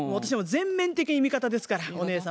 全面的に味方ですからお姉様。